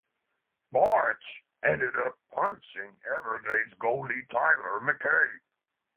Barch ended up punching Everblades goalie Tyler MacKay.